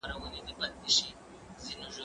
زه اوږده وخت چای څښم،